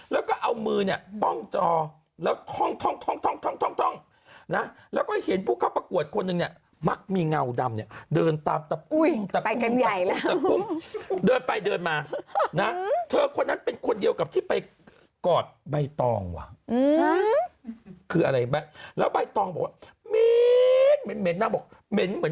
แล้วก็เอามันมือป้องจอแล้วเ